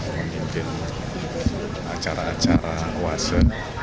memimpin acara acara wase